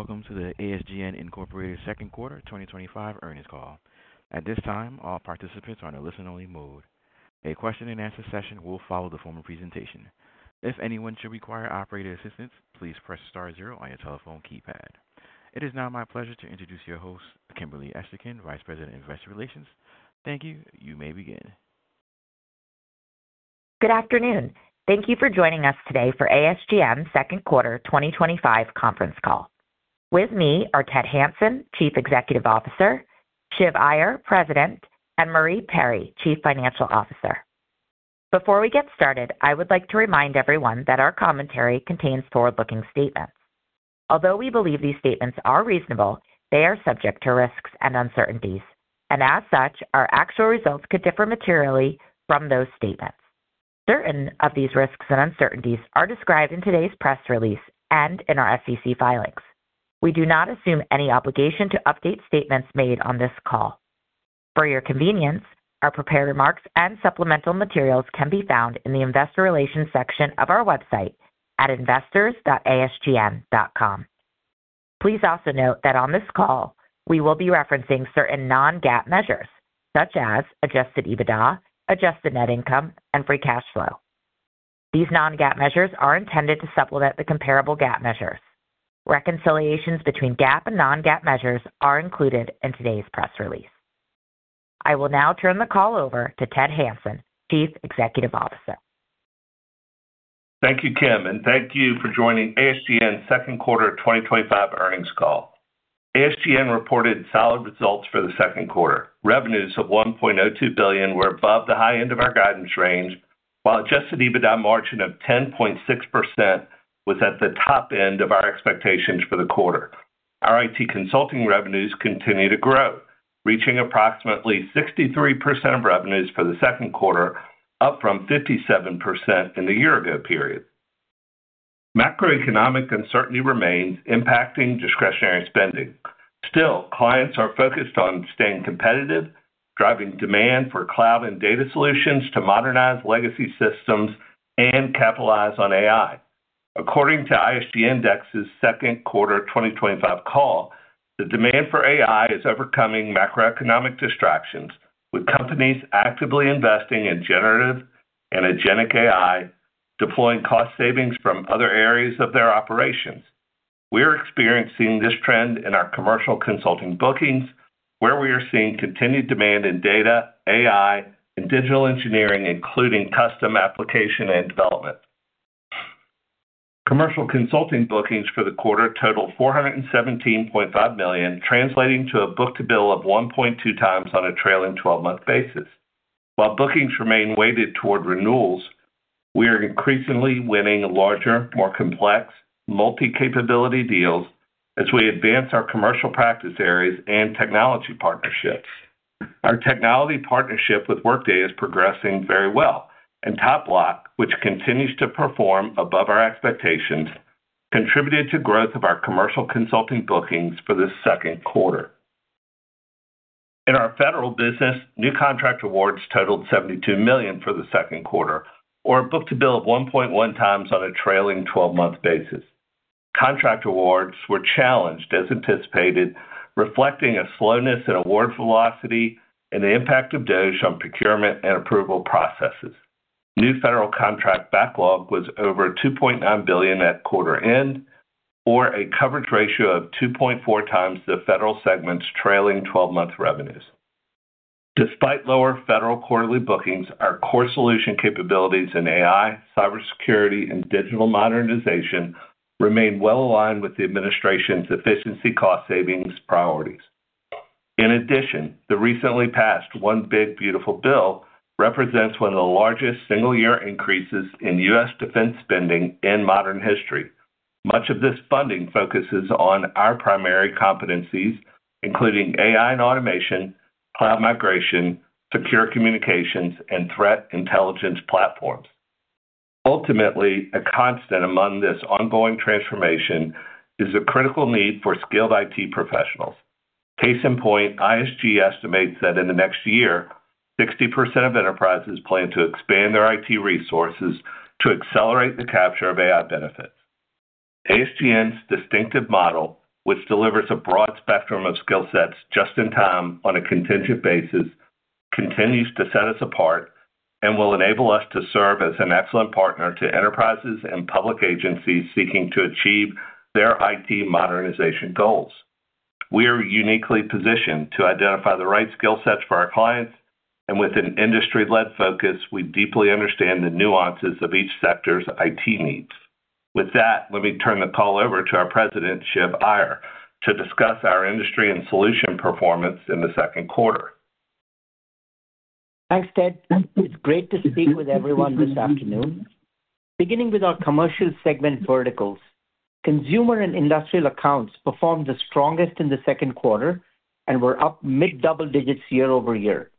Greetings and welcome to the ASGN Incorporated second quarter 2025 earnings call. At this time, all participants are in a listen only mode. A question and answer session will follow the formal presentation. If anyone should require operating assistance, please press star zero on your telephone keypad. It is now my pleasure to introduce your host, Kimberly Esterkin, Vice President of Investor Relations. Thank you. You may begin. Good afternoon. Thank you for joining us today for ASGN second quarter 2025 conference call. With me are Ted Hanson, Chief Executive Officer, Shiv Iyer, President, and Marie Perry, Chief Financial Officer. Before we get started, I would like to remind everyone that our commentary contains forward-looking statements. Although we believe these statements are reasonable, they are subject to risks and uncertainties, and as such our actual results could differ materially from those statements. Certain of these risks and uncertainties are described in today's press release and in our SEC filings. We do not assume any obligation to update statements made on this call. For your convenience, our prepared remarks and supplemental materials can be found in the Investor Relations section of our website at investors.asgn.com. Please also note that on this call we will be referencing certain non-GAAP measures such as adjusted EBITDA, adjusted Net Income, and free cash flow. These non-GAAP measures are intended to supplement the comparable GAAP measures. Reconciliations between GAAP and non-GAAP measures are included in today's press release. I will now turn the call over to Ted Hanson, Chief Executive Officer. Thank you, Kim, and thank you for joining ASGN Incorporated's second quarter 2025 earnings call. ASGN reported solid results for the second quarter. Revenues of $1.02 billion were above the high end of our guidance range, while adjusted EBITDA margin of 10.6% was at the top end of our expectations for the quarter. IT consulting revenues continue to grow, reaching approximately 63% of revenues for the second quarter, up from 57% in the year-ago period. Macroeconomic uncertainty remains, impacting discretionary spending. Still, clients are focused on staying competitive, driving demand for cloud and data solutions to modernize legacy systems and capitalize on AI. According to ISG Index's second quarter 2025 call, the demand for AI is overcoming macroeconomic distractions, with companies actively investing in generative and agency AI, deploying cost savings from other areas of their operations. We are experiencing this trend in our commercial consulting bookings, where we are seeing continued demand in data, AI, and digital engineering, including custom application development. Commercial consulting bookings for the quarter totaled $417.5 million, translating to a book-to-bill of 1.2x on a trailing twelve-month basis. While bookings remain weighted toward renewals, we are increasingly winning larger, more complex multi-capability deals as we advance our commercial practice areas and technology partnerships. Our technology partnership with Workday is progressing very well, and TopBloc, which continues to perform above our expectations, contributed to growth of our commercial consulting bookings for the second quarter. In our federal business, new contract awards totaled $72 million for the second quarter, or a book-to-bill of 1.1x on a trailing 12-month basis. Contract awards were challenged as anticipated, reflecting a slowness in award velocity and the impact of DOGE on procurement and approval processes. New federal contract backlog was over $2.9 billion at quarter end, or a coverage ratio of 2.4x the federal segment's trailing 12-month revenues. Despite lower federal quarterly bookings, our core solution capabilities in AI, cybersecurity, and digital modernization remain well aligned with the Administration's efficiency cost savings priorities. In addition, the recently passed One Big Beautiful bill represents one of the largest single-year increases in U.S. defense spending in modern history. Much of this funding focuses on our primary competencies including AI and automation, cloud migration, secure communications, and threat intelligence platforms. Ultimately, a constant among this ongoing transformation is a critical need for skilled IT professionals. Case in point, ISG estimates that in the next year 60% of enterprises plan to expand their IT resources to accelerate the capture of AI benefits. ASGN's distinctive model, which delivers a broad spectrum of skill sets just in time on a contingent basis, continues to set us apart and will enable us to serve as an excellent partner to enterprises and public agencies seeking to achieve their IT modernization goals. We are uniquely positioned to identify the right skill sets for our clients, and with an industry-led focus, we deeply understand the nuances of each sector's IT needs. With that, let me turn the call over to our President, Shiv Iyer, to discuss our industry and solution performance in the second quarter. Thanks Ted. It's great to speak with everyone this afternoon. Beginning with our commercial segment verticals, consumer and industrial accounts performed the strongest in the second quarter and were up mid double digits year-over-year.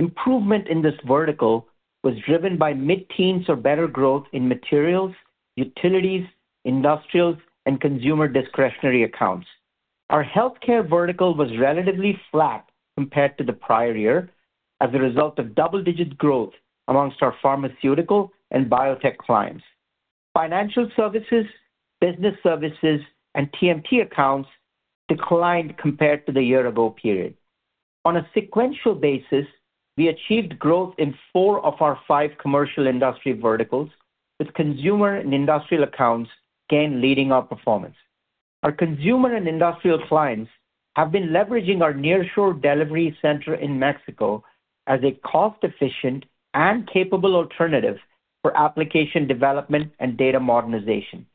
Improvement in this vertical was driven by mid teens or better growth in materials, utilities, industrials, and consumer discretionary accounts. Our healthcare vertical was relatively flat compared to the prior year as a result of double digit growth amongst our pharmaceutical and biotech clients. Financial services, business services, and TMT accounts declined compared to the year ago period. On a sequential basis, we achieved growth in four of our five commercial industry verticals, with consumer and industrial accounts gain leading our performance. Our consumer and industrial clients have been leveraging our nearshore delivery center in Mexico as a cost efficient and capable alternative for application development and data modernization.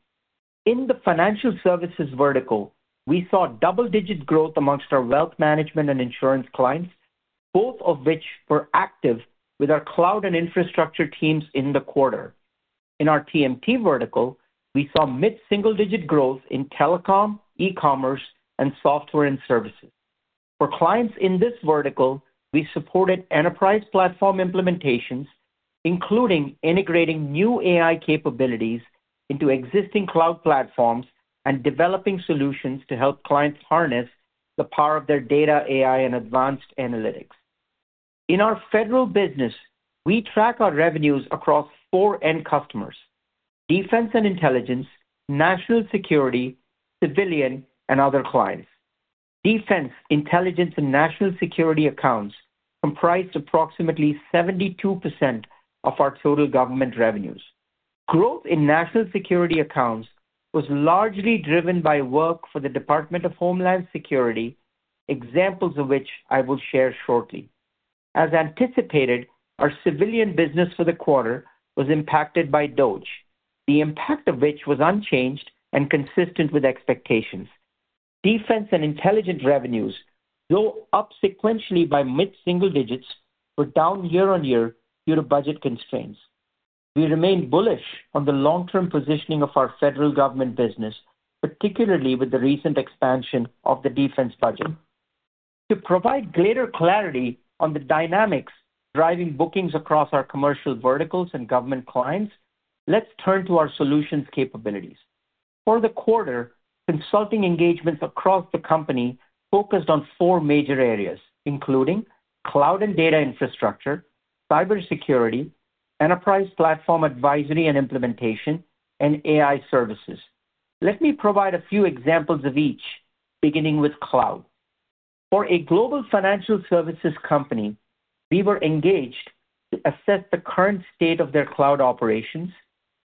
In the financial services vertical, we saw double digit growth amongst our wealth management and insurance clients, both of which were active with our cloud and data infrastructure teams in the quarter. In our TMT vertical, we saw mid single digit growth in telecom, e-commerce, and software and services for clients. In this vertical, we supported enterprise platform advisory and implementation, including integrating new AI capabilities into existing cloud platforms and developing solutions to help clients harness the power of their data, AI, and advanced analytics. In our federal business, we track our revenues across four end customers: Defense and Intelligence, National Security, civilian, and other clients. Defense, Intelligence, and National Security accounts comprised approximately 72% of our total government revenues. Growth in National Security accounts was largely driven by work for the Department of Homeland Security, examples of which I will share shortly. As anticipated, our civilian business for the quarter was impacted by DOGE, the impact of which was unchanged and consistent with expectations. Defense and Intelligence revenues, though up sequentially by mid single digits, were down year on year due to budget constraints. We remain bullish on the long term positioning of our federal government business, particularly with the recent expansion of the defense budget. To provide greater clarity on the dynamics driving bookings across our commercial verticals and government clients, let's turn to our solutions capabilities for the quarter. Consulting engagements across the company focused on four major areas including cloud and data infrastructure, cybersecurity, enterprise platform advisory and implementation, and AI services. Let me provide a few examples of each, beginning with cloud. For a global financial services company, we were engaged to assess the current state of their cloud operations,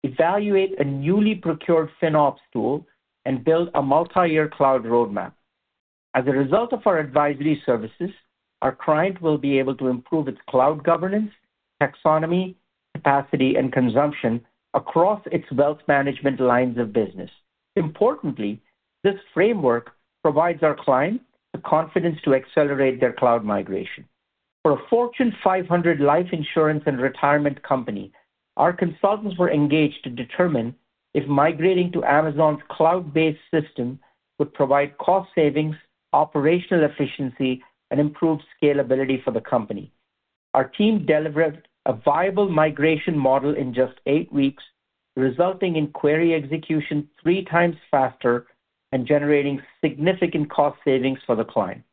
evaluate a newly procured FinOps tool, and build a multi-year cloud roadmap. As a result of our advisory services, our client will be able to improve its cloud governance taxonomy, capacity, and consumption across its wealth management lines of business. Importantly, this framework provides our clients the confidence to accelerate their cloud migration. For a Fortune 500 life insurance and retirement company, our consultants were engaged to determine if migrating to Amazon's cloud-based system would provide cost savings, operational efficiency, and improve scalability for the company. Our team delivered a viable migration model in just eight weeks, resulting in query execution three times faster and generating significant cost savings for the client.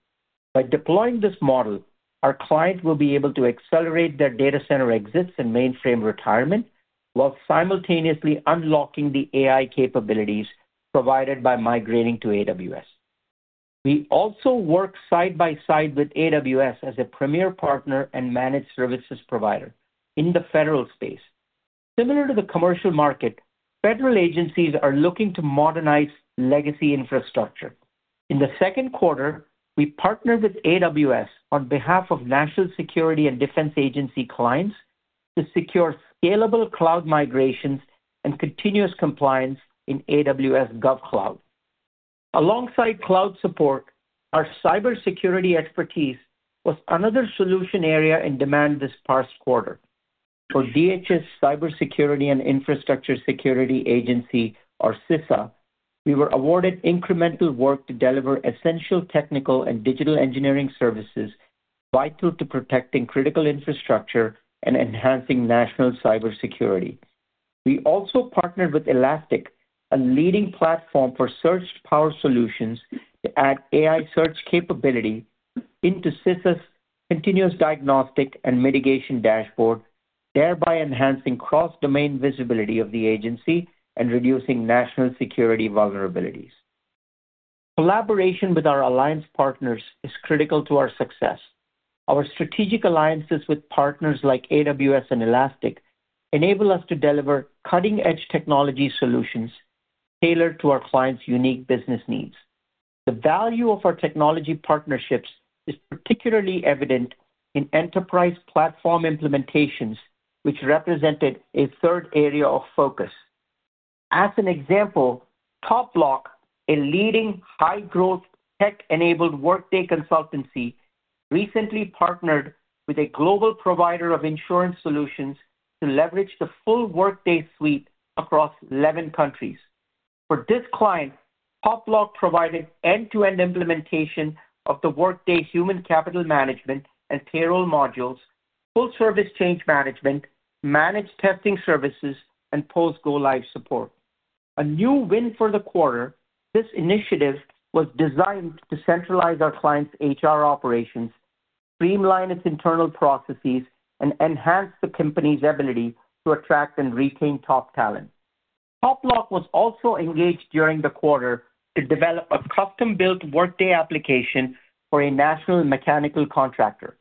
By deploying this model, our client will be able to accelerate their data center exits and mainframe retirement while simultaneously unlocking the AI capabilities provided by migrating to AWS. We also work side by side with AWS as a premier partner and managed services provider in the federal space. Similar to the commercial market, federal agencies are looking to modernize legacy infrastructure. In the second quarter, we partnered with AWS on behalf of National Security and Defense Agency clients to secure scalable cloud migrations and continuous compliance in AWS GovCloud. Alongside cloud support, our cybersecurity expertise was another solution area in demand this past quarter. For DHS Cybersecurity and Infrastructure Security Agency, or CISA, we were awarded incremental work to deliver essential technical and digital engineering services vital to protecting critical infrastructure and enhancing national cybersecurity. We also partnered with Elastic, a leading platform for search-powered solutions, to add AI search capability into CISA's continuous diagnostic and mitigation dashboard, thereby enhancing cross-domain visibility of the agency and reducing national security vulnerabilities. Collaboration with our alliance partners is critical to our success. Our strategic alliances with partners like AWS and Elastic enable us to deliver cutting-edge technology solutions tailored to our clients' unique business needs. The value of our technology partnerships is particularly evident in enterprise platform implementations, which represented a third area of focus. As an example, TopBloc, a leading high-growth tech-enabled Workday consultancy, recently partnered with a global provider of insurance solutions to leverage the full Workday suite across 11 countries. For this client, TopBloc provided end-to-end implementation of the Workday human capital management and payroll modules, full-service change management, managed testing services, and post-go-live support. A new win for the quarter, this initiative was designed to centralize our client's HR operations, streamline its internal processes, and enhance the company's ability to attract and retain top talent. TopBloc was also engaged during the quarter to develop a custom-built Workday application for a national mechanical contractor.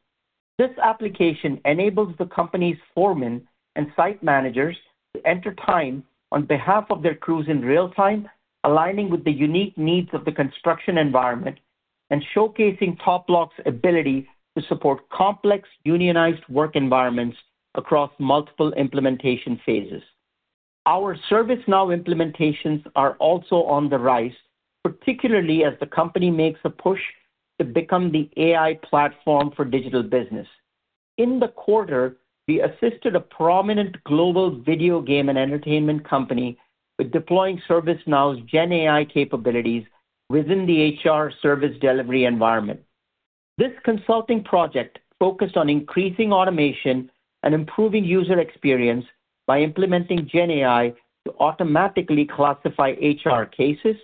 This application enables the company's foremen and site managers to enter time on behalf of their crews in real time, aligning with the unique needs of the construction environment and showcasing TopBloc's ability to support complex unionized work environments across multiple implementation phases. Our ServiceNow implementations are also on the rise, particularly as the company makes a push to become the AI platform for digital business. In the quarter, we assisted a prominent global video game and entertainment company with deploying ServiceNow's GenAI capabilities within the HR service delivery environment. This consulting project focused on increasing automation and improving user experience by implementing GenAI to automatically classify HR cases,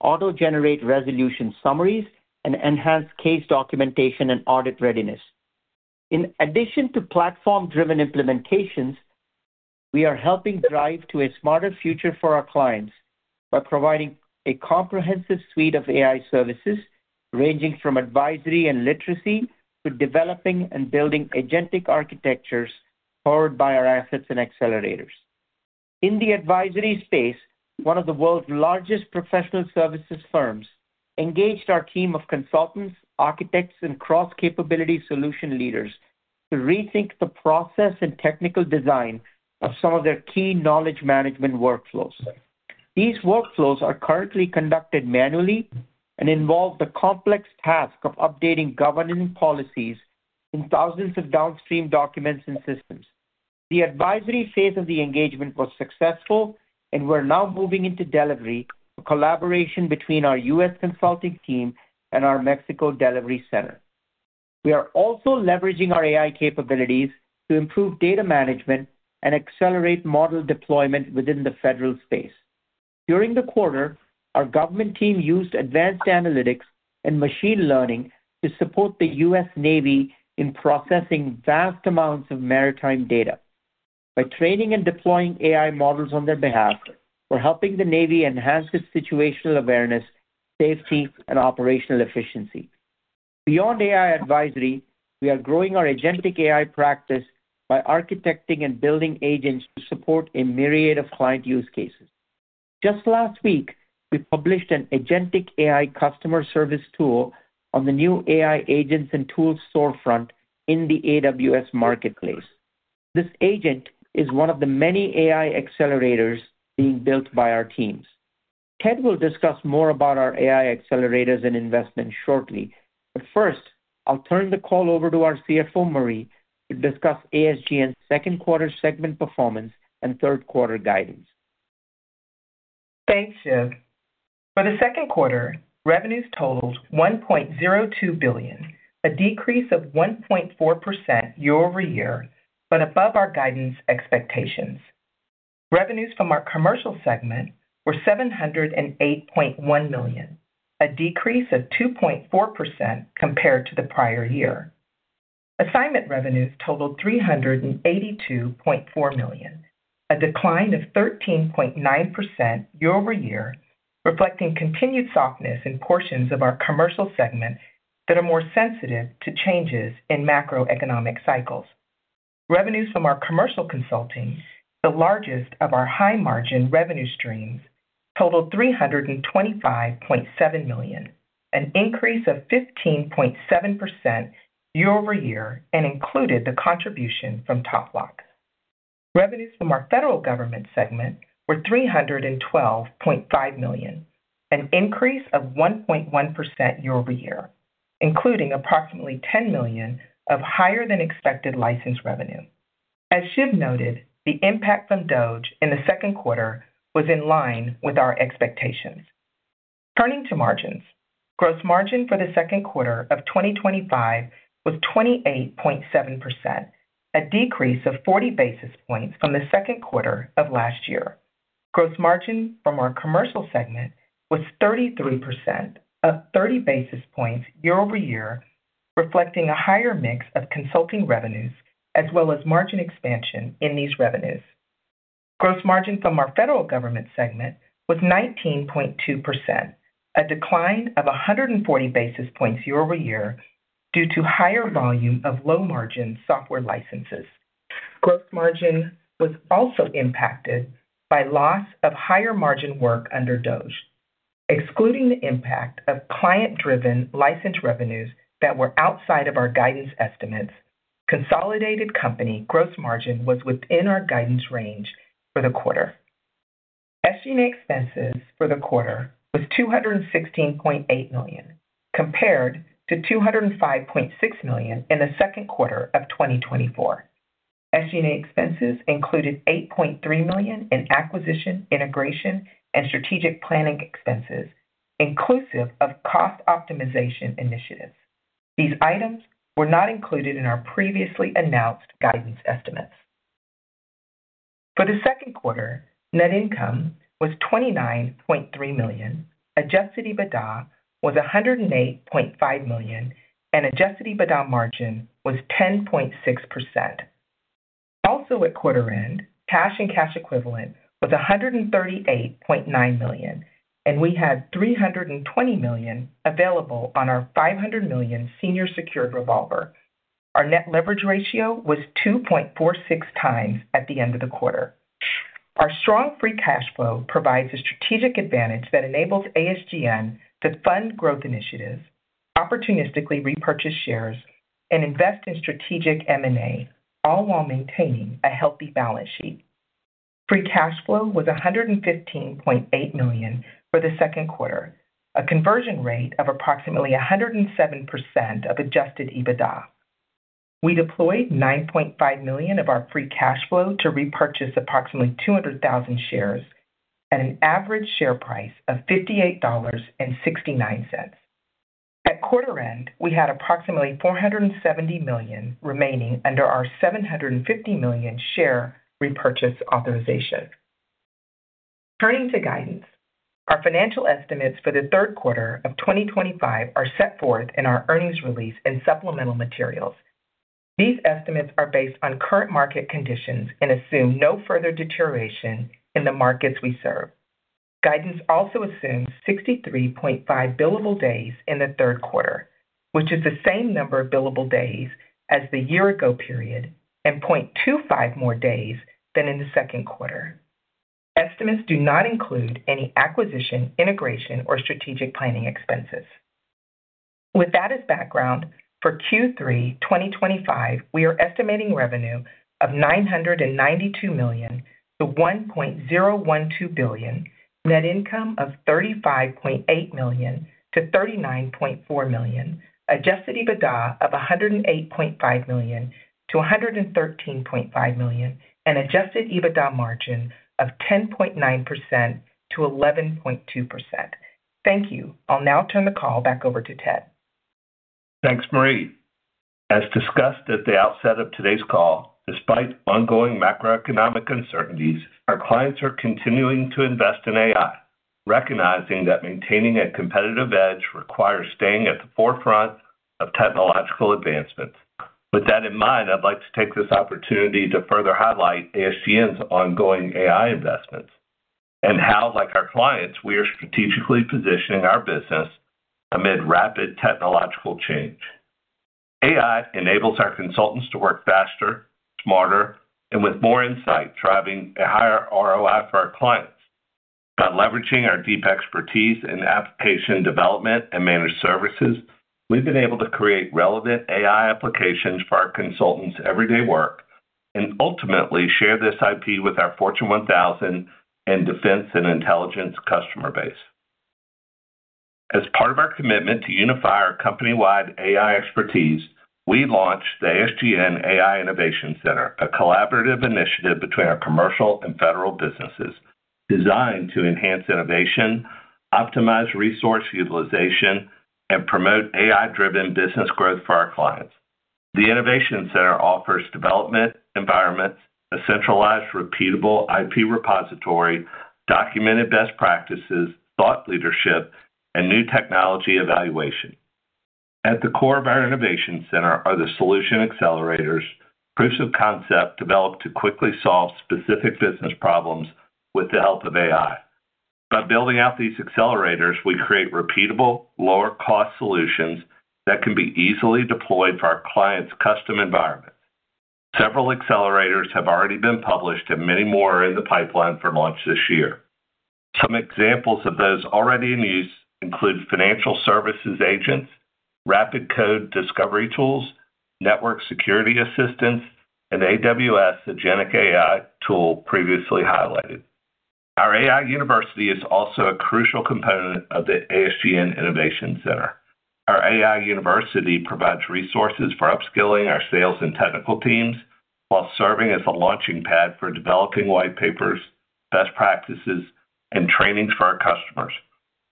auto-generate resolution summaries, and enhance case documentation and audit readiness. In addition to platform-driven implementations, we are helping drive to a smarter future for our clients by providing a comprehensive suite of AI services ranging from advisory and literacy to developing and building agentic architectures powered by our assets and accelerators in the advisory space. One of the world's largest professional services firms engaged our team of consultants, architects, and cross capability solution leaders to rethink the process and technical design of some of their key knowledge management workflows. These workflows are currently conducted manually and involve the complex task of updating governance policies in thousands of downstream documents and systems. The advisory phase of the engagement was successful, and we're now moving into delivery collaboration between our U.S. consulting team and our Mexico delivery center. We are also leveraging our AI capabilities to improve data management and accelerate model deployment within the federal space. During the quarter, our government team used advanced analytics and machine learning to support the U.S. Navy in processing vast amounts of maritime data. By training and deploying AI models on their behalf, we're helping the Navy enhance its situational awareness, safety, and operational efficiency. Beyond AI advisory, we are growing our agentic AI practice by architecting and building agents to support a myriad of client use cases. Just last week, we published an agentic AI customer service tool on the new AI agents and tools storefront in the AWS Marketplace. This agent is one of the many AI accelerators being built by our teams. Ted will discuss more about our AI accelerators and investments shortly, but first I'll turn the call over to our CFO Marie to discuss ASGN's second quarter segment performance and third quarter guidance. Thanks, Shiv. For the second quarter, revenues totaled $1.02 billion, a decrease of 1.4% year-over-year, but above our guidance expectations. Revenues from our commercial segment were $708.1 million, a decrease of 2.4% compared to the prior year. Assignment revenues totaled $382.4 million, a decline of 13.9% year-over-year, reflecting continued softness in portions of our commercial segment that are more sensitive to changes in macroeconomic cycles. Revenues from our commercial consulting, the largest of our high margin revenue streams, totaled $325.7 million, an increase of 15.7% year-over-year and included the contribution from TopBloc. Revenues from our federal government segment were $312.5 million, an increase of 1.1% year-over-year, including approximately $10 million of higher than expected license revenue. As Shiv noted, the impact from DOGE in the second quarter was in line with our expectations. Turning to margins, gross margin for the second quarter of 2025 was 28.7%, a decrease of 40 basis points from the second quarter of last year. Gross margin from our commercial segment was 33%, up 30 basis points year-over-year, reflecting a higher mix of consulting revenues as well as margin expansion in these revenues. Gross margin from our federal government segment was 19.2%, a decline of 140 basis points year-over-year due to higher volume of low margin software licenses. Gross margin was also impacted by loss of higher margin work under DOGE. Excluding the impact of client driven license revenues that were outside of our guidance estimates, consolidated company gross margin was within our guidance range for the quarter. SG&A expenses for the quarter were $216.8 million compared to $205.6 million in the second quarter of 2024. SG&A expenses included $8.3 million in acquisition, integration and strategic planning expenses inclusive of cost optimization initiatives. These items were not included in our previously announced guidance estimates for the second quarter. Net income was $29.3 million, adjusted EBITDA was $108.5 million and adjusted EBITDA margin was 10.6%. Also at quarter end, cash and cash equivalents were $138.9 million and we had $320 million available on our $500 million senior secured revolver. Our net leverage ratio was 2.46x at the end of the quarter. Our strong free cash flow provides a strategic advantage that enables ASGN to fund growth initiatives, opportunistically repurchase shares, and invest in strategic M&A, all while maintaining a healthy balance sheet. Free cash flow was $115.8 million for the second quarter, a conversion rate of approximately 107% of adjusted EBITDA. We deployed $9.5 million of our free cash flow to repurchase approximately 200,000 shares at an average share price of $58.69. At quarter end, we had approximately $470 million remaining under our $750 million share repurchase authorization. Turning to guidance, our financial estimates for the third quarter of 2025 are set forth in our earnings release and supplemental materials. These estimates are based on current market conditions and assume no further deterioration in the markets we serve. Guidance also assumes 63.5 billable days in the third quarter, which is the same number of billable days as the year ago period and 0.25 more days than in the second quarter. Estimates do not include any acquisition, integration, or strategic planning expenses. With that as background, for Q3 2025, we are estimating revenue of $992 million-$1.012 billion, net income of $35.8 million-$39.4 million, adjusted EBITDA of $108.5 million-$113.5 million, and adjusted EBITDA margin of 10.9%-11.2%. Thank you. I'll now turn the call back over to Ted. Thanks, Marie. As discussed at the outset of today's call, despite ongoing macroeconomic uncertainties, our clients are continuing to invest in AI, recognizing that maintaining a competitive edge requires staying at the forefront of technological advancements. With that in mind, I'd like to take this opportunity to further highlight ASGN's ongoing AI investments and how, like our clients, we are strategically positioning our business amid rapid technological change. AI enables our consultants to work faster, smarter, and with more insight, driving a higher ROI for our clients. By leveraging our deep expertise in application development and managed services, we've been able to create relevant AI applications for our consultants' everyday work and ultimately share this IP with our Fortune 1000 and defense and intelligence customer base. As part of our commitment to unify our company-wide AI expertise, we launched the ASGN AI Innovation Center, a collaborative initiative between our commercial and federal businesses designed to enhance innovation, optimize resource utilization, and promote AI-driven business growth for our clients. The Innovation center offers development environments, a centralized, repeatable IP repository, documented best practices, thought leadership, and new technology evaluation. At the core of our Innovation center are the solution accelerators, proofs of concept developed to quickly solve specific business problems with the help of AI. By building out these accelerators, we create repeatable, lower-cost solutions that can be easily deployed for our clients. Several accelerators have already been published, and many more are in the pipeline for launch this year. Some examples of those already in use include financial services agents, rapid code discovery tools, network security assistance, and AWS Agency AI Tool previously highlighted. Our AI University is also a crucial component of the ASGN AI Innovation Center. Our AI University provides resources for upskilling our sales and technical teams while serving as a launching pad for developing white papers, best practices, and trainings for our customers.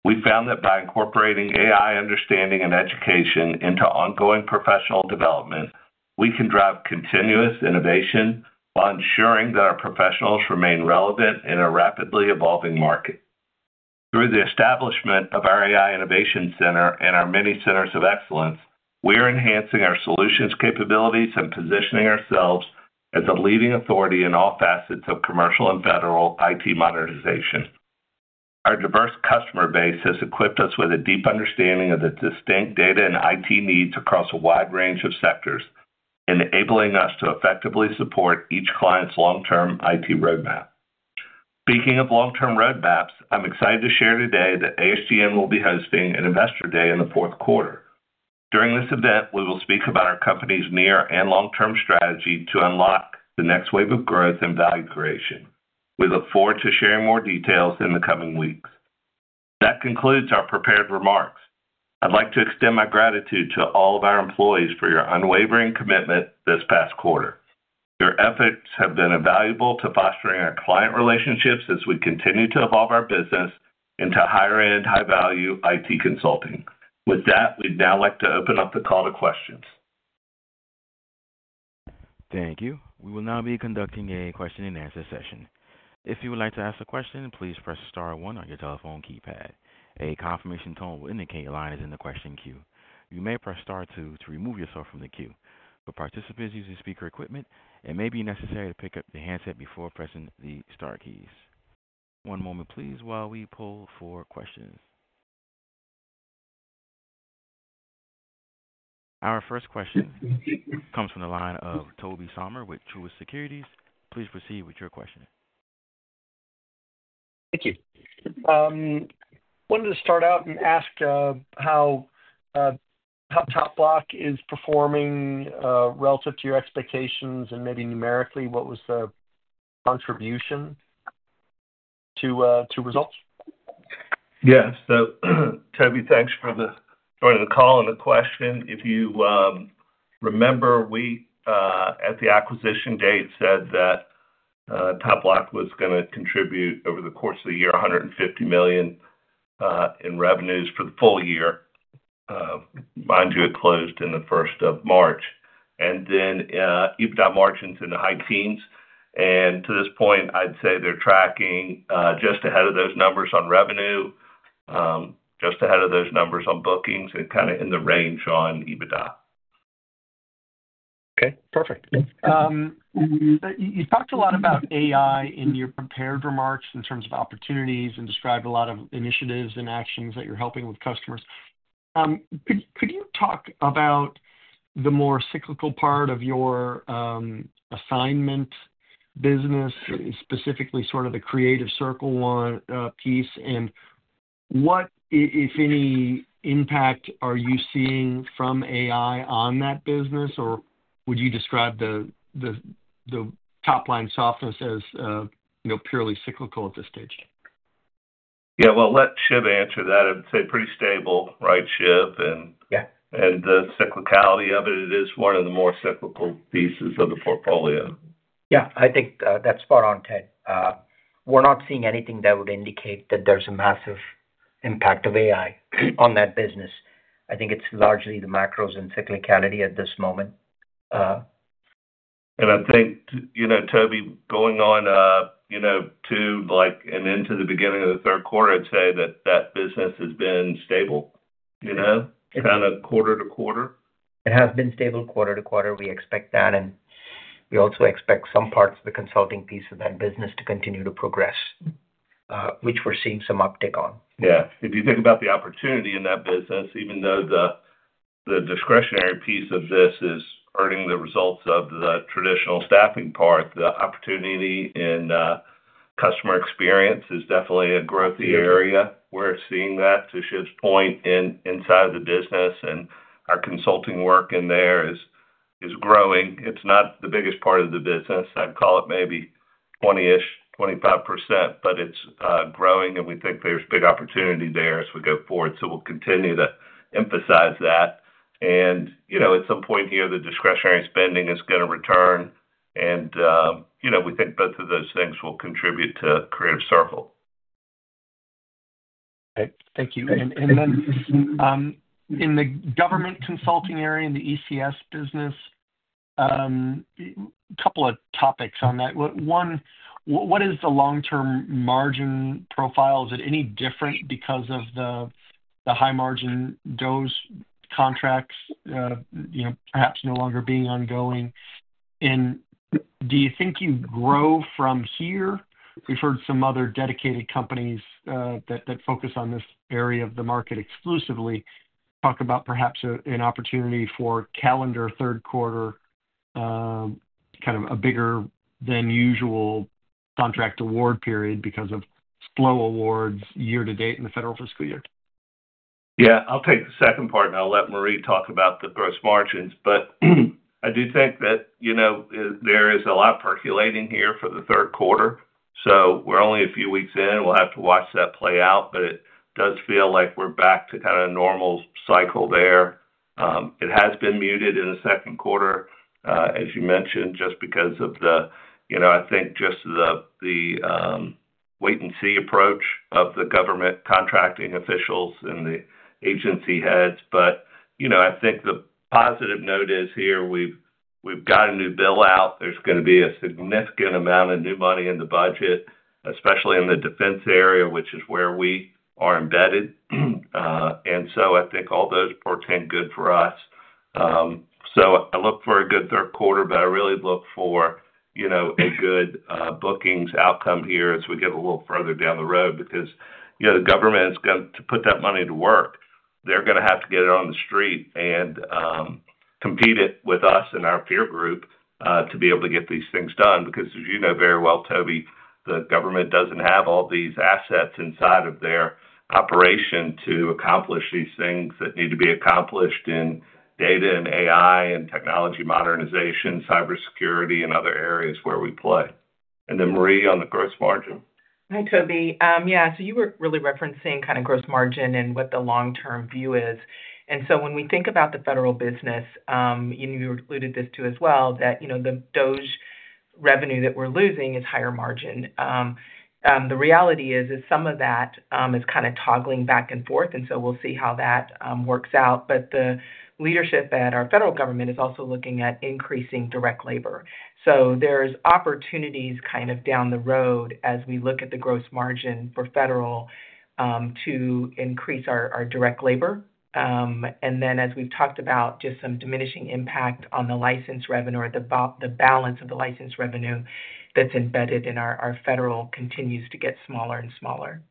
We found that by incorporating AI understanding and education into ongoing professional development, we can drive continuous innovation while ensuring that our professionals remain relevant in a rapidly evolving market. Through the establishment of our AI Innovation center and our many centers of excellence, we are enhancing our solutions capabilities and positioning ourselves as a leading authority in all facets of commercial and federal IT modernization. Our diverse customer base has equipped us with a deep understanding of the distinct data and IT needs across a wide range of sectors, enabling us to effectively support each client's long-term IT roadmap. Speaking of long-term roadmaps, I'm excited to share today that ASGN will be hosting an Investor Day in the fourth quarter. During this event, we will speak about our company's near and long-term strategy to unlock the next wave of growth and value creation. We look forward to sharing more details in the coming weeks. That concludes our prepared remarks. I'd like to extend my gratitude to all of our employees for your unwavering commitment this past quarter. Your efforts have been invaluable to fostering our client relationships as we continue to evolve our business into higher-end, high-value IT consulting. With that, we'd now like to open up the call to questions. Thank you. We will now be conducting a question and answer session. If you would like to ask a question, please press star one on your telephone keypad. A confirmation tone will indicate a line is in the question queue. You may press star two to remove yourself from the queue. For participants using speaker equipment, it may be necessary to pick up the handset before pressing the star keys. One moment, please. While we poll for questions, our first question comes from the line of Tobey Sommer with Truist Securities. Please proceed with your question. Thank you. Wanted to start out and ask how TopBloc is performing relative to your expectations, and maybe numerically, what was the contribution to results? Yes. Toby, thanks for joining the call and the question. If you remember, we at the acquisition date said that TopBloc was going to contribute over the course of the year, $150 million in revenues for the full year. Mind you, it closed on the first of March, and then EBITDA margins in the high teens. To this point, I'd say they're tracking just ahead of those numbers on revenue, just ahead of those numbers on bookings, and kind of in the range on EBITDA. Okay, perfect. You talked a lot about AI in your prepared remarks in terms of opportunities and described a lot of initiatives and actions that you're helping with customers. Could you talk about the more cyclical part of your assignment business, specifically sort of the creative circle piece? What, if any, impact are you seeing from AI on that business? Would you describe the top line softness as purely cyclical at this stage? Yeah, let Shiv answer that. I'd say pretty stable. Right, Shiv. And yeah. The cyclicality of it is one of the more cyclical pieces of the portfolio. Yeah, I think that's spot on, Ted. We're not seeing anything that would indicate that there's a massive impact of AI on that business. I think it's largely the macros and cyclicality at this moment. I think, Tobey, going on to the beginning of the third quarter, I'd say that business has been stable, you know, kind of quarter to quarter. It has been stable quarter-to-quarter. We expect that, and we also expect some parts of the consulting piece of that business to continue to progress, which we're seeing some uptick on. If you think about the opportunity in that business, even though the discretionary piece of this is earning the results of the traditional staffing part, the opportunity in customer experience is definitely a growth area where we're seeing that, to Shiv's point, inside the business. Our consulting work in there is growing. It's not the biggest part of the business. I'd call it maybe 20%, 25%, but it's growing and we think there's big opportunity there as we go forward. We will continue to emphasize that. At some point here the discretionary spending is going to return and we think both of those things will contribute to creative circle. Thank you. In the government consulting area in the ECS business, a couple of topics on that one. What is the long-term margin profile? Is it any different because of the high margin DOGE contracts perhaps no longer being ongoing? Do you think you grow from here? We've heard some other dedicated companies that focus on this area of the market exclusively talk about perhaps an opportunity for calendar third quarter, kind of a bigger than usual contract award period because of slow awards year to date in the federal fiscal year. I'll take the second part and I'll let Marie talk about the gross margins. I do think that there is a lot percolating here for the third quarter. We're only a few weeks in, we'll have to watch that play out. It does feel like we're back to kind of normal cycle there. It has been muted in the second quarter as you mentioned, just because of the wait and see approach of the government contracting officials and the agency heads. I think the positive note is here we've got a new bill out. There's going to be a significant amount of new money in the budget, especially in the defense area, which is where we are embedded. I think all those portend good for us. I look for a good third quarter, but I really look for a good bookings outcome here as we get a little further down the road because the government is going to put that money to work. They're going to have to get it on the street and competed with us and our peer group to be able to get these things done. As you know very well, Toby, the government doesn't have all these assets inside of their operation to accomplish these things that need to be accomplished in data and AI and technology modernization, cybersecurity and other areas where we play. Marie, on the gross margin. Hi, Tobey. Yeah, you were really referencing kind of gross margin and what the long-term view is. When we think about the federal business, you alluded to this as well, that the revenue that we're losing is higher margin. The reality is some of that is kind of toggling back and forth, so we'll see how that works out. The leadership at our federal government is also looking at increasing direct labor. There are opportunities down the road as we look at the gross margin for federal to increase our direct labor. As we've talked about, just some diminishing impact on the license revenue or the balance of the license revenue that's embedded in our federal continues to get smaller and smaller.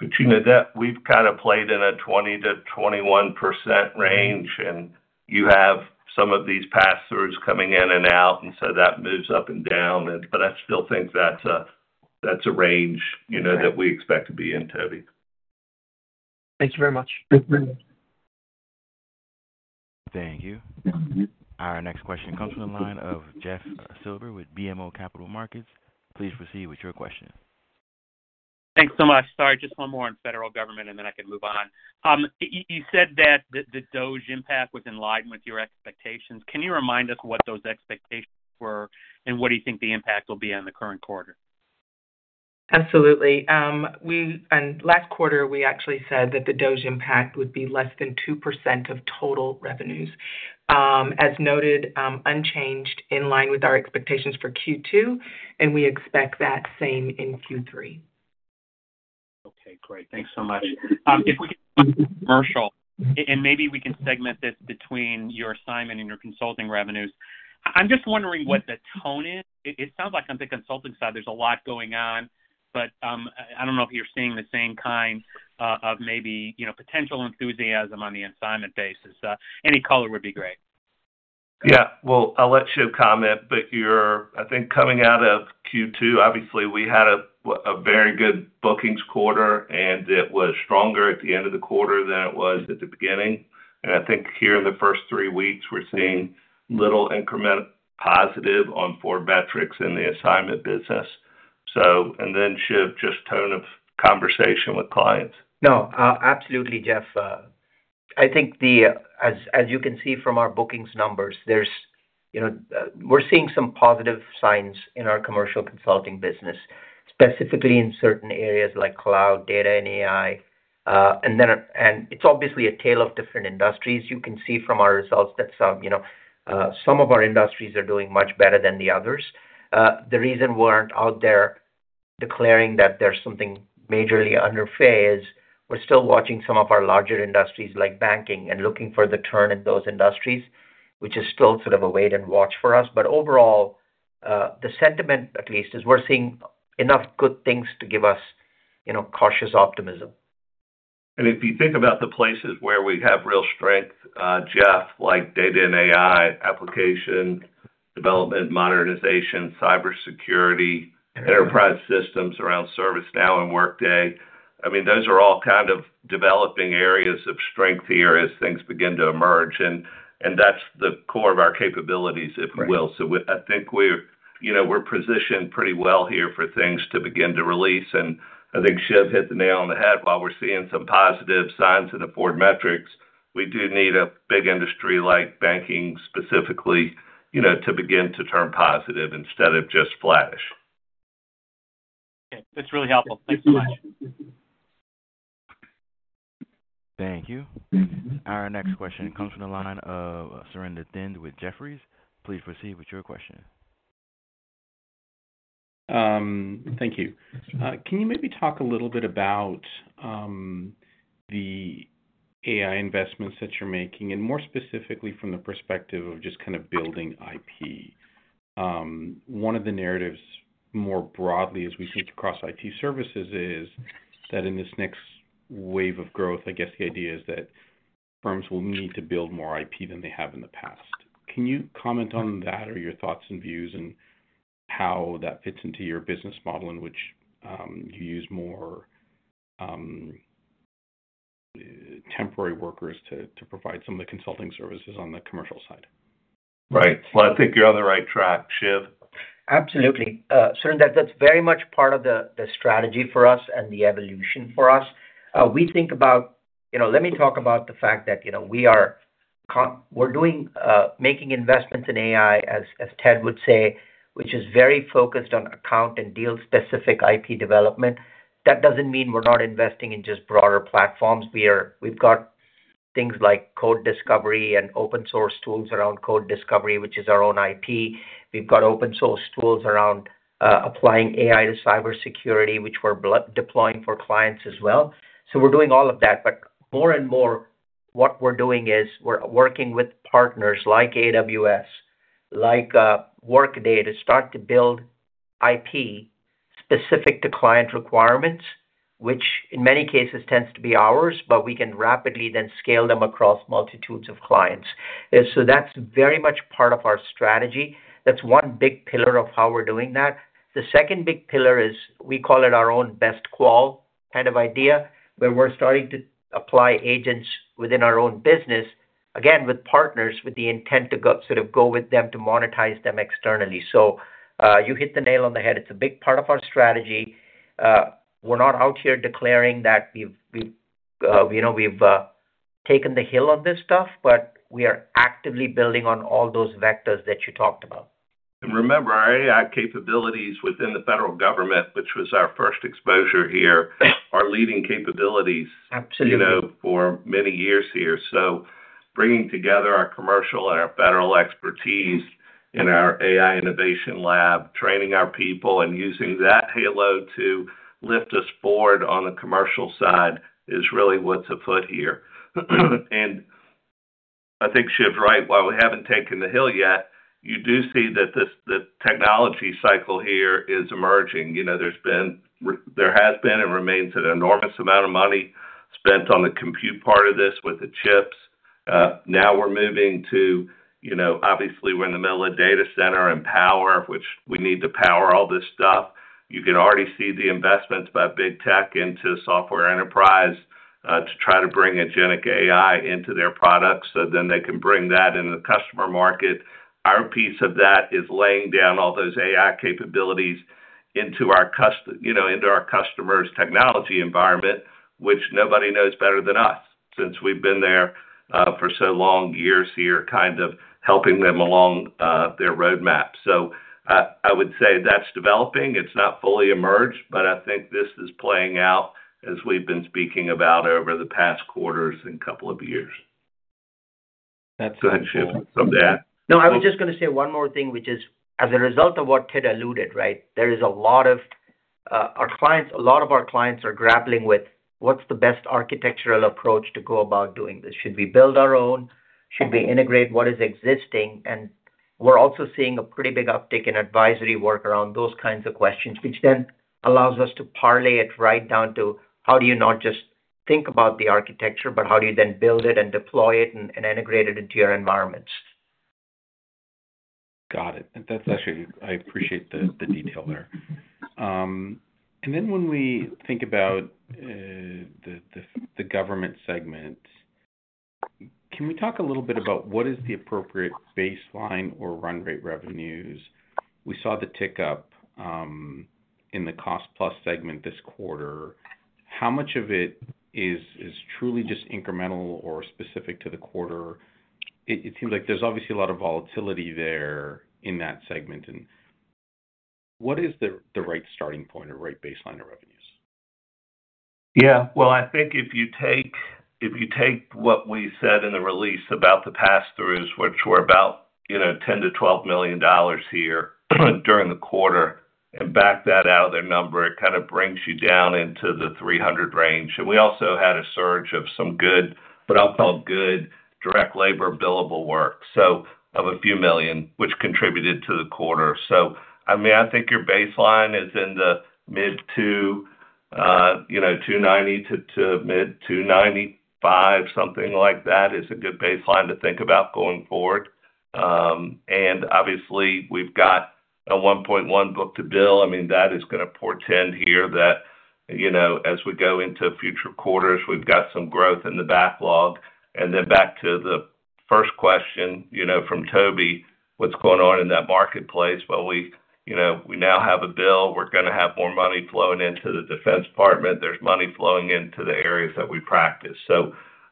You know that we've kind of played in a 20%-21% range, and you have some of these pass throughs coming in and out, so that moves up and down. I still think that's a range that we expect to be in. Tobey. Thank you very much. Thank you. Our next question comes from the line of Jeff Silber with BMO Capital Markets. Please proceed with your question. Thanks so much. Sorry, just one more on federal government and then I can move on. You said that the DOGE impact was in line with your expectations. Can you remind us what those expectations were and what do you think the impact will be on the current quarter? Absolutely. Last quarter we actually said that the Doge impact would be less than 2% of total revenues, as noted, unchanged in line with our expectations for Q2. We expect that same in Q3. Okay, great. Thanks so much. If we can do a commercial. Maybe we can segment this between your assignment and your consulting revenues. I'm just wondering what the tone is. It sounds like on the consulting side there's a lot going on, but I don't know if you're seeing the same kind of, you know, potential enthusiasm on the assignment basis. Any color would be great. I'll let Shiv comment, but I think coming out of Q2, obviously we had a very good bookings quarter and it was stronger at the end of the quarter than it was at the beginning. I think here in the first three weeks, we're seeing little incremental positive on four metrics in the assignment business. Shiv, just tone of conversation with clients. No, absolutely, Jeff. I think as you can see from our bookings numbers, we're seeing some positive signs in our commercial consulting business, specifically in certain areas like cloud and data and AI. It's obviously a tale of different industries. You can see from our results that some of our industries are doing much better than others. The reason we aren't out there declaring that there's something majorly under phase is we're still watching some of our larger industries like banking and looking for the turn in those industries, which is still sort of a wait and watch for us. Overall, the sentiment at least is we're seeing enough good things to give us cautious optimism. If you think about the places where we have real strength, Jeff, like data and AI application development, modernization, cybersecurity, enterprise systems around ServiceNow and Workday, those are all kind of developing areas of strength here as things begin to emerge. That's the core of our capabilities, if you will. I think we're positioned pretty well here for things to begin to release. I think Shiv hit the nail on the head. While we're seeing some positive signs in the forward metrics, we do need a big industry like banking specifically to begin to turn positive instead of just flattish. Okay, that's really helpful. Thanks so much. Thank you. Our next question comes from the line of Surinder Thind with Jefferies. Please proceed with your question. Thank you. Can you maybe talk a little bit? About the AI investments that you're making? More specifically, from the perspective of just kind of building IP, one of the narratives more broadly as we think across IT services is that in this next wave of growth, I guess the idea is that firms will need to build more IP than they have in the past. Can you comment on that or your thoughts and views and how that fits into your business model in which you use more temporary workers to provide some of the consulting services on the commercial side? Right. I think you're on the right track, Shiv. Absolutely. That's very much part of the strategy for us and the evolution for us. We think about, you know, let me talk about the fact that, you know, we are, we're doing, making investments in AI, as Ted would say, which is very focused on account and deal specific IP development. That doesn't mean we're not investing in just broader platforms. We are. We've got things like code discovery and open source tools around code discovery, which is our own IP. We've got open source tools around applying AI to cybersecurity, which we're deploying for clients as well. We're doing all of that. More and more, what we're doing is we're working with partners like AWS, like Workday to start to build IP specific to client requirements, which in many cases tends to be ours. We can rapidly then scale them across multitudes of clients. That's very much part of our strategy. That's one big pillar of how we're doing that. The second big pillar is we call it our own best qual kind of idea where we're starting to apply agents within our own business, again with partners, with the intent to sort of go with them, to monetize them externally. You hit the nail on the head. It's a big part of our strategy. We're not out here declaring that we've taken the hill on this stuff, but we are actively building on all those vectors that you talked about. Remember our AI capabilities within the federal government, which was our first exposure here, are leading capabilities for many years. Bringing together our commercial and our federal expertise in our AI Innovation Center, training our people, and using that halo to lift us forward on the commercial side is really what's afoot here. I think Shiv's right. While we haven't taken the hill yet, you do see that the technology cycle here is emerging. There has been and remains an enormous amount of money spent on the compute part of this with the chips. Now we're moving to, obviously, we're in the middle of data center and power, which we need to power all this stuff. You can already see the investments by big tech into software enterprise to try to bring agency AI into their products so they can bring that into the customer market. Our piece of that is laying down all those AI capabilities into our customers' technology environment, which nobody knows better than us since we've been there for so long, years here, kind of helping them along their roadmap. I would say that's developing, it's not fully emerged. I think this is playing out as we've been speaking about over the past quarters and couple of years. No, I was just going to say one more thing, which is as a result of what Ted alluded, there is a lot of our clients, a lot of our clients are grappling with what's the best architectural approach to go about doing this. Should we build our own? Should we integrate what is existing? We're also seeing a pretty big uptick in advisory work around those kinds of questions, which then allows us to parlay it right down to how do you not just think about the architecture, but how do you then build it and deploy it and integrate it into your environments? Got it. I appreciate the detail there. When we think about the government segment, can we talk a little bit about what is the appropriate baseline or run rate revenues? We saw the tick up in the Cost plus segment this quarter. How much of it is truly just incremental or specific to the quarter? It seems like there's obviously a lot of volatility there in that segment. What is the right starting point or right baseline of revenues? I think if you take what we said in the release about the pass throughs, which were about $10 million-$12 million here during the quarter, and back that out of their number, it kind of brings you down into the $300 million range. We also had a surge of some good, I'll call good direct labor billable work, so a few million which contributed to the quarter. I think your baseline is in the mid to, you know, $290 million to mid $295 million, something like that is a good baseline to think about going forward. Obviously we've got a 1.1 book-to-bill. That is going to portend here that as we go into future quarters, we've got some growth in the backlog. Back to the first question from Tobey. What's going on in that marketplace? We now have a bill. We're going to have more money flowing into the Defense Department. There's money flowing into the areas that we practice.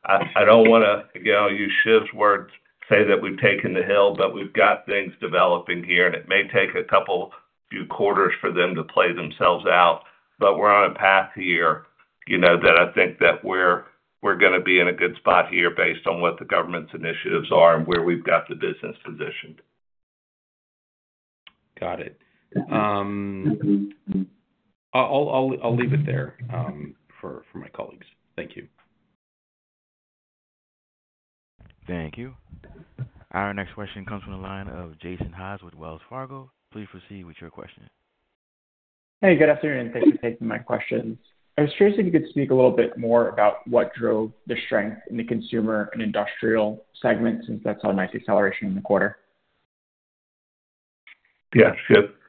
I don't want to, using Shiv's words, say that we've taken the hill, but we've got things developing here and it may take a couple few quarters for them to play themselves out. We're on a path here. I think that we're going to be in a good spot here based on what the government's initiatives are and where we've got the business positioned. Got it. I'll leave it there for my colleagues. Thank you. Thank you. Our next question comes from the line of Jason Haas with Wells Fargo. Please proceed with your question. Hey, good afternoon. Thanks for taking my questions. I was curious if you could speak a little bit more about what drove the strength in the consumer and industrial segment, since that's a nice acceleration in the quarter. Yeah,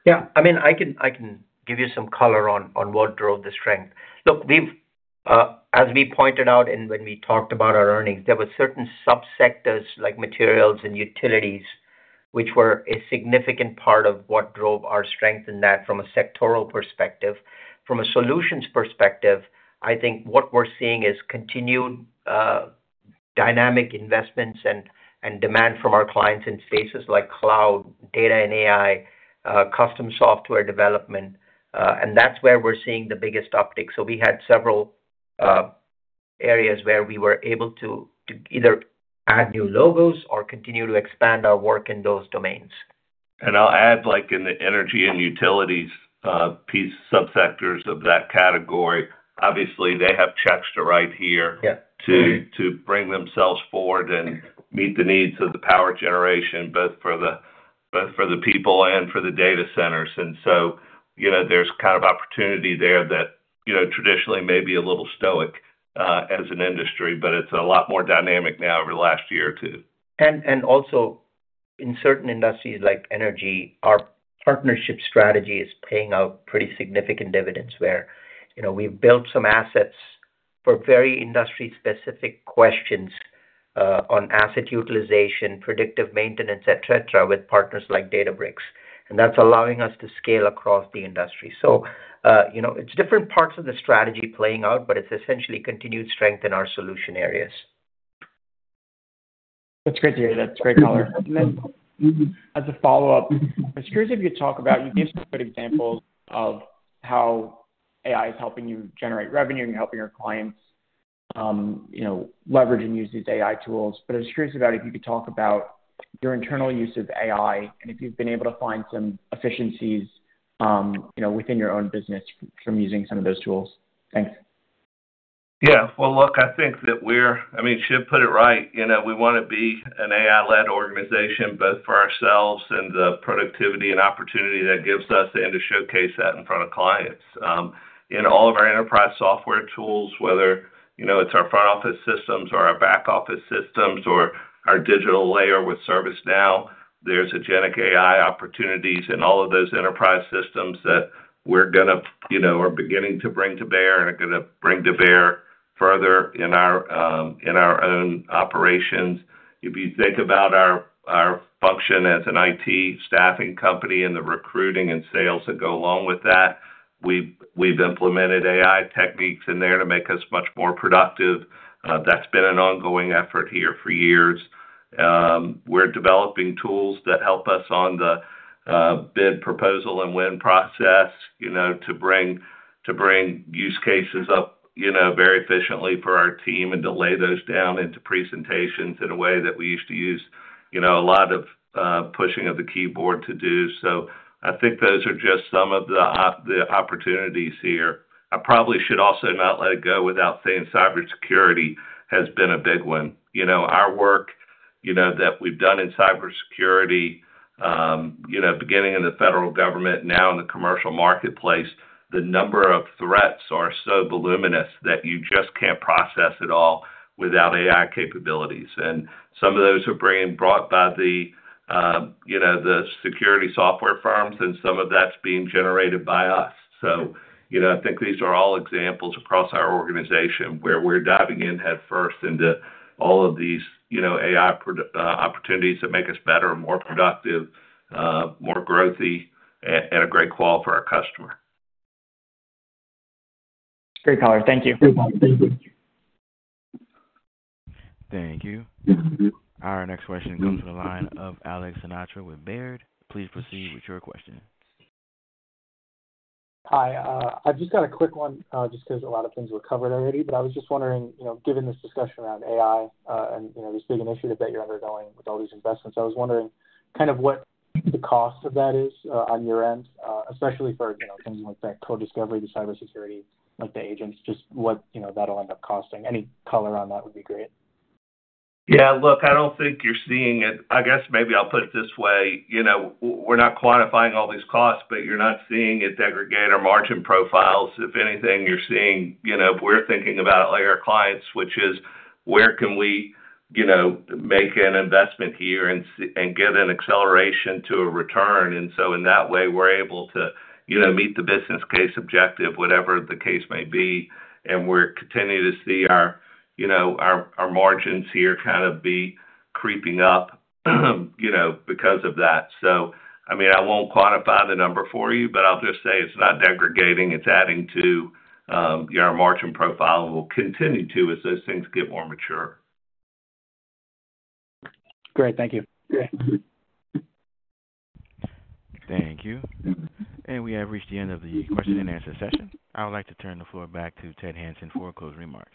yeah. I can give you some color on what drove the strength. Look, as we pointed out when we talked about our earnings, there were certain subsectors like materials and utilities, which were a significant part of what drove our strength in that. From a sectoral perspective, from a solutions perspective, I think what we're seeing is continued dynamic investments and demand from our clients in spaces like cloud and data and AI, custom software development. That's where we're seeing the biggest uptick. We had several areas where we were able to either add new logos or continue to expand our work in those domains. And I'll add, like, in the energy and utilities piece, subsectors of that category obviously have checks to write here to bring themselves forward and meet the needs of the power generation, both for the people and for the data centers. There is kind of opportunity there that traditionally may be a little stoic as an industry, but it's a lot more dynamic now over the last year or two. Also, in certain industries like energy, our partnership strategy is paying out pretty significant dividends where we've built some assets for very industry-specific questions on asset utilization, predictive maintenance, et cetera, with partners like Databricks. That's allowing us to scale across the industry. It's different parts of the strategy playing out, but it's essentially continued strength in our solution areas. That's great to hear. That's great color. As a follow-up, if you talk about, you give some good examples of how AI is helping you generate revenue and helping your clients leverage and use these AI tools. I was curious if you could talk about your internal use of AI and if you've been able to find some efficiencies within your own business from using some of those tools. Thanks. I think that we're, I mean, Shiv put it right, you know, we want to be an AI-led organization both for ourselves and the productivity and opportunity that gives us and to showcase that in front of clients in all of our enterprise software tools. Whether it's our front office systems or our back office systems or our digital layer with ServiceNow, there's agency opportunities in all of those enterprise systems that we're going to, you know, are beginning to bring to bear and are going to bring to bear further in our own operations. If you think about our function as an IT staffing company and the recruiting and sales that go along with that, we've implemented AI techniques in there to make us much more productive. That's been an ongoing effort here for years. We're developing tools that help us on the bid proposal and win process, you know, to bring use cases up, you know, very efficiently for our team and to lay those down into presentations in a way that we used to use, you know, a lot of pushing of the keyboard to do. I think those are just some of the opportunities here. I probably should also not let it go without saying cybersecurity has been a big one. Our work that we've done in cybersecurity, beginning in the federal government, now in the commercial marketplace, the number of threats are so voluminous that you just can't process it all without AI capabilities. Some of those are being brought by the security software firms, and some of that's being generated by us. I think these are all examples across our organization where we're diving in headfirst into all of these AI opportunities that make us better, more productive, more growthy, and a great call for our customer. Great caller. Thank you. Thank you. Our next question comes from the line of Alex Sinatra with Baird. Please proceed with your question. Hi, I've just got a quick one. Just because a lot of things were covered already. I was just wondering, given this discussion around AI and this big initiative that you're undergoing with all these investments, I was wondering what the cost of that is on your end, especially for things like the co discovery, the cybersecurity, like the agents, just what that'll end up costing. Any color on that would be great. Yeah, look, I don't think you're seeing it. I guess maybe I'll put it this way. We're not quantifying all these costs, but you're not seeing it aggregate our margin profiles. If anything, you're seeing, you know, we're thinking about, like, our clients, which is, where can we, you know, make an investment here and get an acceleration to a return? In that way, we're able to, you know, meet the business case objective, whatever the case may be, and we're continuing to see our, you know, our margins here kind of be creeping up, you know, because of that. I won't quantify the number for you, but I'll just say it's not degrading, it's adding to your margin profile and will continue to as those things get more mature. Great. Thank you. Thank you. We have reached the end of the question and answer session. I would like to turn the floor back to Ted Hanson for closing remarks.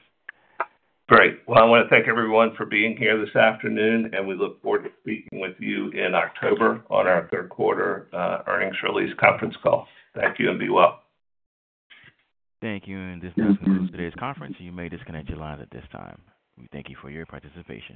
Great. I want to thank everyone for being here this afternoon, and we look forward to speaking with you in October on our third quarter earnings release conference call. Thank you and be well. Thank you. This does conclude today's conference. You may disconnect your lines at this time. We thank you for your participation.